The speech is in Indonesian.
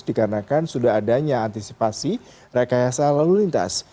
dikarenakan sudah adanya antisipasi rekayasa lalu lintas